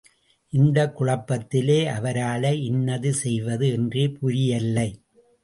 இந்தக் குழப்பத்திலே அவரால இன்னது செய்வது என்றே புரியல்லை.